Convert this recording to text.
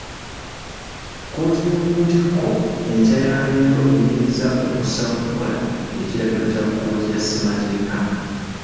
Kkooti y'oku ntikko, enkya ya leero eyimirizza okussa mu nkola ekiragiro kya kkooti ya Ssemateeka.